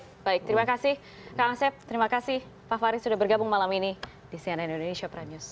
oke baik terima kasih kang asep terima kasih pak farid sudah bergabung malam ini di cnn indonesia prime news